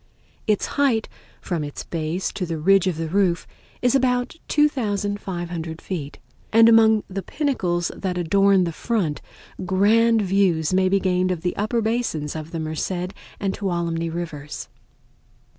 Its height from its base to the ridge of the roof is about 2500 feet, and among the pinnacles that adorn the front grand views may be gained of the upper basins of the Merced and Tuolumne Rivers.